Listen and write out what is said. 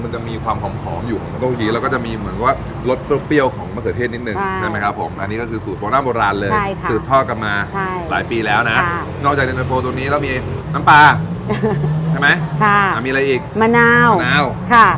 ใช่ไหมค่ะอ่ะมีอะไรอีกมะนาวมะนาวค่ะกระเทียมเจียวหมูสับ